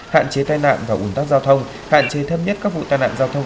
hạn chế tai nạn và ủn tắc giao thông hạn chế thấp nhất các vụ tai nạn giao thông